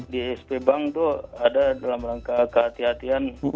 di sp bank tuh ada dalam langkah ke hati hatian